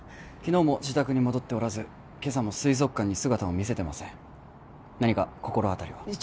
昨日も自宅に戻っておらず今朝も水族館に姿を見せてません何か心当たりは？